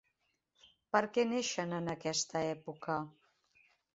Per què neixen en aquesta època?